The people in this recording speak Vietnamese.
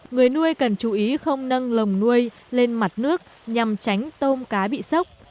người nuôi cần chú ý không nâng lồng nuôi lên mặt nước nhằm tránh tôm cá bị sốc